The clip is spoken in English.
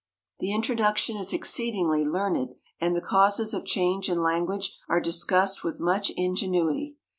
The introduction is exceedingly learned and the causes of change in language are discussed with much ingenuity.